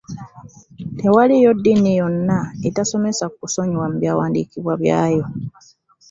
Tewaliiwo ddiini yonna etasomesa ku kusonyiwa mu byawandiikibwa byayo.